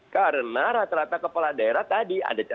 karena rata rata kepala daerah tadi ada catatan